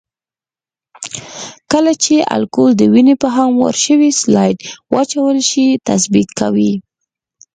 کله چې الکول د وینې په هموار شوي سلایډ واچول شي تثبیت کوي.